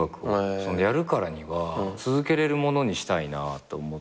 やるからには続けれるものにしたいなと思って。